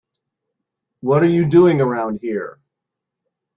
What are you doing around here?